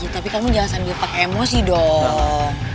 tapi kamu jangan sampai emosi dong